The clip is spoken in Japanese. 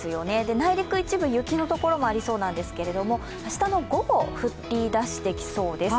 内陸一部雪のところもありそうなんですけれども明日の午後、降り出してきそうです